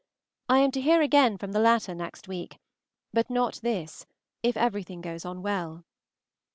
I am to hear again from the latter next week, but not this, if everything goes on well.